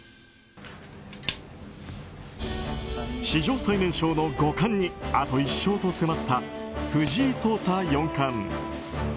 史上最年少の五冠にあと１勝と迫った藤井聡太四冠。